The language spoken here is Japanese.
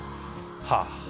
はあ。